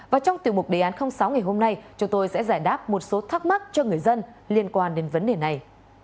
và trong tiểu mục đề án sáu ngày hôm nay chúng tôi sẽ giải đáp một số thắc mắc cho người dân liên quan đến vấn đề này